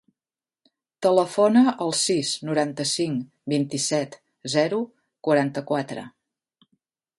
Telefona al sis, noranta-cinc, vint-i-set, zero, quaranta-quatre.